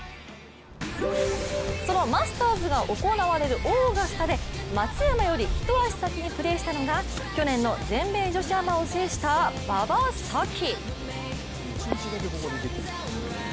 そのマスターズが行われるオーガスタで松山より一足早くプレーしたのが去年の全米女子アマを制した馬場咲希。